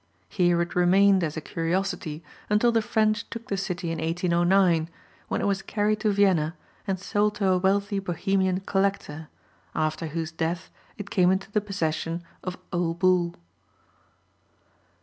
Here it remained as a curiosity until the French took the city in 1809, when it was carried to Vienna and sold to a wealthy Bohemian collector, after whose death it came into the possession of Ole Bull.